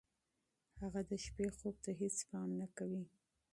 هغه د شپې خوب ته هېڅ پام نه کوي.